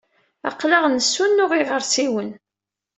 Aql-aɣ nessunuɣ iɣersiwen.